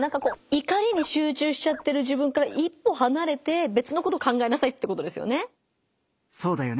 怒りに集中しちゃってる自分から一歩はなれて別のことを考えなさいってことですよね。